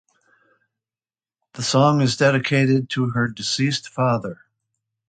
The song is dedicated to her deceased father.